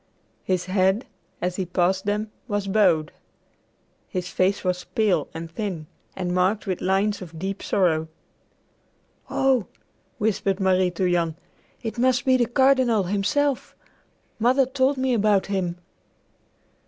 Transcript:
His head, as he passed them, was bowed. His face was pale and thin, and marked with lines of deep sorrow. "Oh," whispered Marie to Jan, "it must be the Cardinal himself. Mother told me about him."